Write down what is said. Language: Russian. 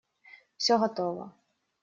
Все готово.